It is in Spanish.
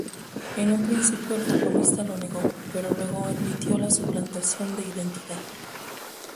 En un principio el futbolista lo negó, pero luego admitió la suplantación de identidad.